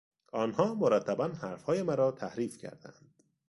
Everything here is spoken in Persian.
آنها مرتبا حرفهای مرا تحریف کردند.